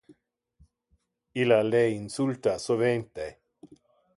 Illa le insulta sovente.